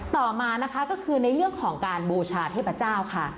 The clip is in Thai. ต่อมานะคะก็คือในเรื่องของการบูชาเทพเจ้าค่ะ